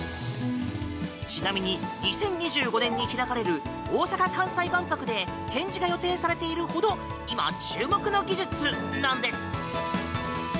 ちなみに、２０２５年に開かれる大阪・関西万博で展示が予定されているほど今、注目の技術なんです。